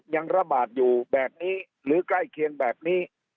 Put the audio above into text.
ยังระบาดอยู่แบบนี้หรือใกล้เคียงแบบนี้